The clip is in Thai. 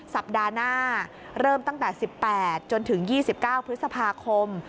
สัปดาห์หน้าเริ่มตั้งแต่๑๘จนถึง๒๙พฤษภาคม